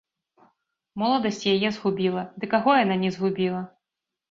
Моладасць яе згубіла, ды каго яна не згубіла!